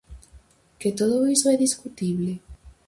Que todo iso é discutible?